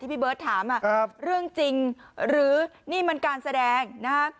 พี่เบิร์ตถามเรื่องจริงหรือนี่มันการแสดงนะฮะ